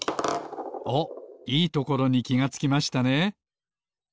おっいいところにきがつきましたね。